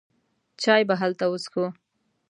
چای به هلته وڅېښو.